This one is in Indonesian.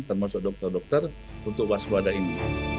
termasuk dokter dokter untuk waspada ini